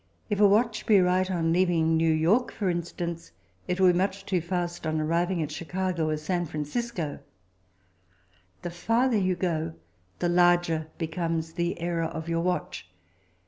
If a watch be right on leaving New York, for instance, it will be much too fast on arriving at Chicago or San Francisco; the farther you go the larger becomes the error of your watch.